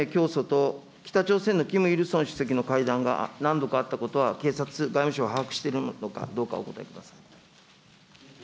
文鮮明教祖と北朝鮮のキム・イルソン主席の会談が何度かあったことは警察外務省は把握しているのかどうかお答えください。